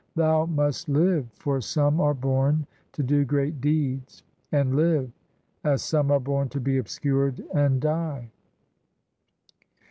thou must live: For some are born to do great deeds, and live. As some are born to be obscur'd, and die.